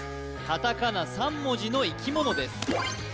カタカナ３文字の生き物です